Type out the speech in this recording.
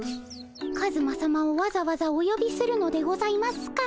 カズマさまをわざわざおよびするのでございますか？